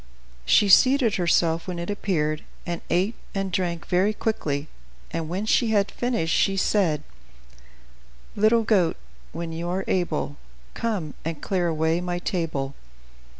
She seated herself when it appeared, and ate and drank very quickly, and when she had finished she said: "Little goat, when you are able, Come and clear away my table."